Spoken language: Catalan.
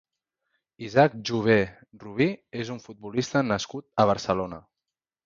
Isaac Jové Rubí és un futbolista nascut a Barcelona.